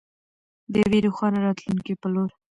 د یوې روښانه راتلونکې په لور.